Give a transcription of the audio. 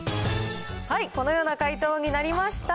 このような解答になりました。